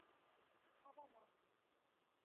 — Авана.